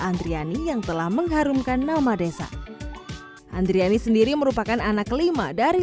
andriani yang telah mengharumkan nama desa andriani sendiri merupakan anak kelima dari